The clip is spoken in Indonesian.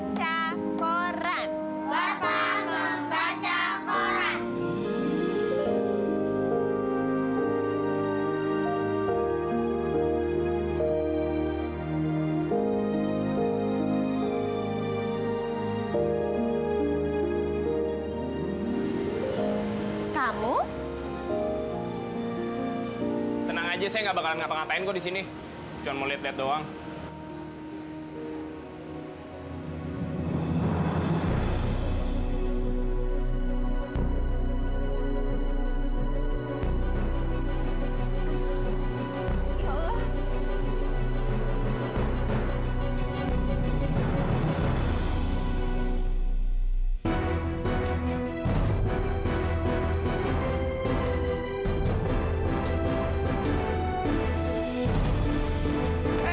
sampai jumpa di video selanjutnya